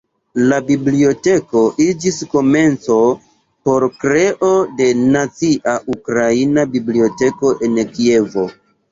La biblioteko iĝis komenco por kreo de Nacia Ukraina Biblioteko en Kievo.